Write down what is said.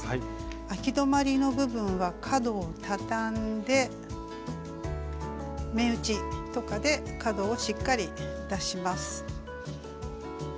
あき止まりの部分は角をたたんで目打ちとかで角をしっかり出します。